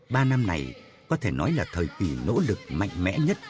ba năm này có thể nói là thời kỳ nỗ lực mạnh mẽ nhất